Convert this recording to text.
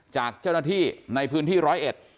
จากเจ้าหน้าที่ในพื้นที่ร้อยเอ็ด